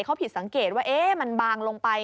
เขาผิดสังเกตว่ามันบางลงไป